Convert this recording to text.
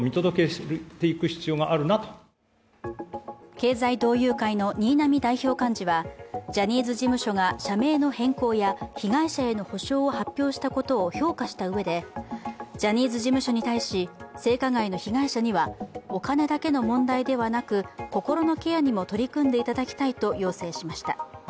経済同友会の新浪代表幹事はジャニーズ事務所が社名の変更や被害者への補償を発表したことを評価したうえでジャニーズ事務所に対し、性加害の被害者にはお金だけの問題ではなく心のケアにも取り組んでいただきたいと要請しました。